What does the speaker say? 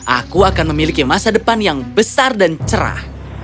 aku akan memiliki masa depan yang besar dan cerah